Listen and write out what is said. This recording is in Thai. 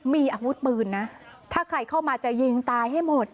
มีอาวุธปืนนะถ้าใครเข้ามาจะยิงตายให้หมด